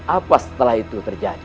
apa setelah itu terjadi